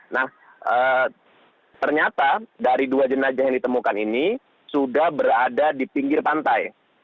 nah ternyata dari dua jenajah yang ditemukan ini sudah berada di pinggir pantai